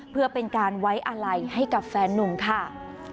เพื่อเป็นการไว้อาลัยให้กับแฟนนุ่มค่ะ